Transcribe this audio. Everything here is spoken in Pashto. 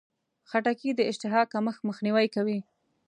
خټکی د اشتها کمښت مخنیوی کوي.